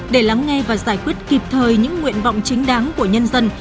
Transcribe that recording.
đáng nghe và giải quyết kịp thời những nguyện vọng chính đáng của nhân dân